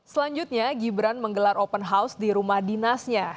selanjutnya gibran menggelar open house di rumah dinasnya